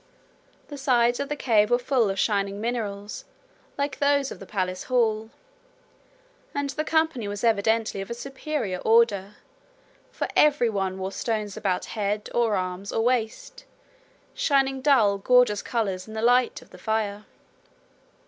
The sides of the cave were full of shining minerals like those of the palace hall; and the company was evidently of a superior order, for every one wore stones about head, or arms, or waist, shining dull gorgeous colours in the light of the fire.